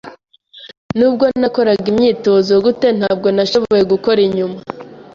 Nubwo nakoraga imyitozo gute, ntabwo nashoboye gukora inyuma.